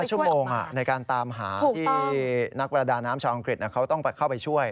ชั่วโมงในการตามหาที่นักประดาน้ำชาวอังกฤษเขาต้องเข้าไปช่วย